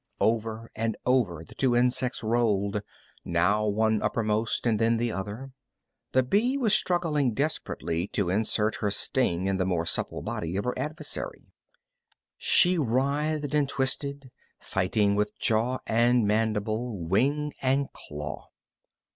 Over and over the two insects rolled, now one uppermost, and then the other. The bee was struggling desperately to insert her sting in the more supple body of her adversary. She writhed and twisted, fighting with jaw and mandible, wing and claw.